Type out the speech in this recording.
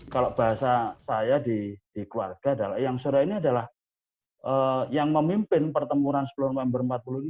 kalau bahasa saya di keluarga adalah yang memimpin pertempuran sepuluh november seribu sembilan ratus empat puluh lima